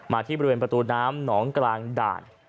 ที่บริเวณประตูน้ำหนองกลางด่าน